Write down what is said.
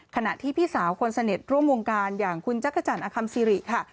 ขณะที่พี่สาวคนสนิทร่วมวงการอย่างคุณจักรจันทร์อคัมซิริค่ะ